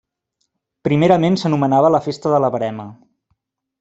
Primerament s'anomenava la festa de la verema.